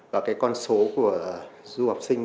và cái con số của du học sinh